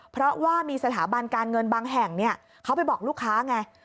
เพราะว่ามีสถาบันการเงินบางแห่งเขาไปบอกลูกค้าไง